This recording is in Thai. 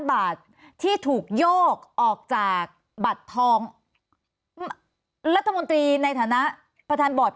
บาทที่ถูกโยกออกจากบัตรทองรัฐมนตรีในฐานะประธานบอร์ด